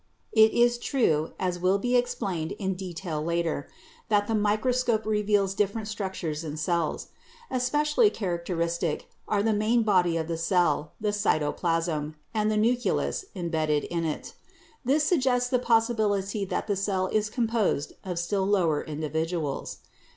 It is true, as will be explained in detail later, that the microscope reveals different structures in cells. Especially characteristic are the main body of the cell, the 'cytoplasm," and the 'nucleus' imbedded in it. This suggests the possi bility that the cell is composed of still lower individuals.